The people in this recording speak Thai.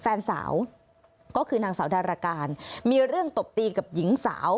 แฟนสาวก็คือนางสาวดารการมีเรื่องตบตีกับหญิงสาว